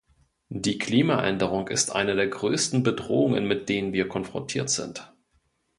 Die Klimaänderung ist eine der größten Bedrohungen, mit denen wir konfrontiert sind.